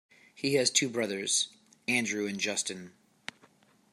He has two brothers, Andrew and Justin.